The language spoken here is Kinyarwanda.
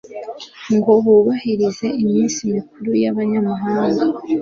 ngo bubahirize iminsi mikuru y'abanyamahanga.